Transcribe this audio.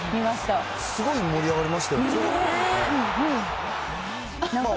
すごい盛り上がりましたよ。